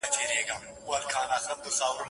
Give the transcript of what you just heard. د عبدالباري جهاني ترجمه: